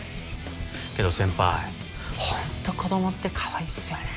けど先輩ホント子供ってカワイイっすよね